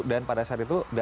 dan pada saat itu